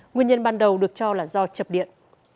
nguyên nhân ban đầu được cho là do chập điện